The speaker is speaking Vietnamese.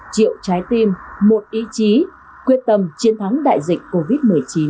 triệu trái tim một ý chí quyết tâm chiến thắng đại dịch covid một mươi chín